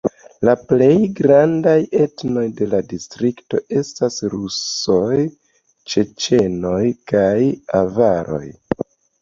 La plej grandaj etnoj de la distrikto estas rusoj, ĉeĉenoj kaj avaroj.